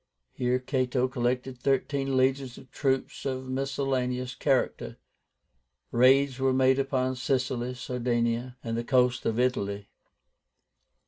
Here Cato collected thirteen legions of troops of miscellaneous character. Raids were made upon Sicily, Sardinia, and the coasts of Italy.